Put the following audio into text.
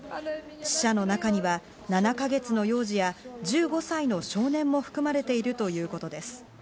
死者の中には７ヶ月の幼児や、１５歳の少年も含まれているということです。